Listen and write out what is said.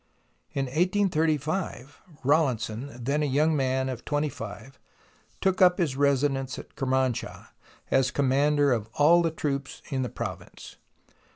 In 1835 Rawlinson, then a young man of twenty five, took up his residence at Kermanshah, as commander of all the troops in the province.